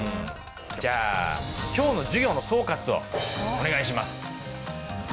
じゃあ今日の授業の総括をお願いします。